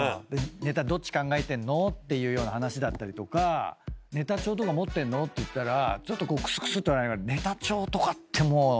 ネタどっち考えてんの？っていうような話だったりとかネタ帳とか持ってんの？って言ったらくすくすと笑いながら「ネタ帳とかってもう」